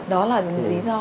đó là lý do